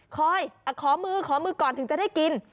ขอมือขอมือก่อนถึงจะได้กิน